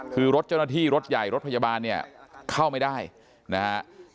คือรถเจ้าหน้าที่รถใหญ่รถพยาบาลเนี่ยเข้าไม่ได้นะฮะ